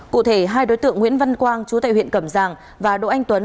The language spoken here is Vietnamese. cụ thể hai đối tượng nguyễn văn quang chú tại huyện cẩm giang và đỗ anh tuấn